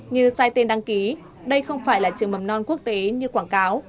như sai tên đăng ký đây không phải là trường mầm non quốc tế như quảng cáo